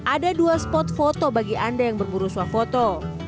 ada dua spot foto bagi anda yang berburu swafoto